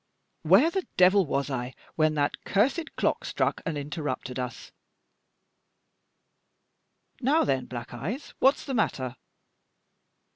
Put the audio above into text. Where the devil was I when that cursed clock struck and interrupted us? Now then, Black Eyes, what's the matter?"